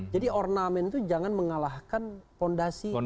jadi ornamen itu jangan mengalahkan fondasi